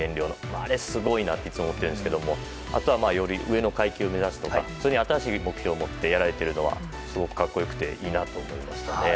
あれすごいなっていつも思ってるんですけどあとはより上の階級を目指すとかそういう新しい目標を持ってやられているのはすごく格好良くていいなと思いましたね。